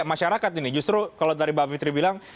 masyarakat ini justru kalau tadi mbak fitri bilang